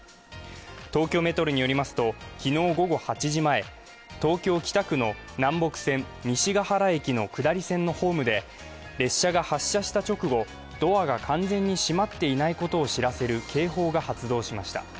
東京メトロによりますと、昨日午後８時前、東京・北区の南北線・西ケ原駅の下り線のホームで、列車が発車した直後、ドアが完全にしまっていないことを知らせる警報が発動しました。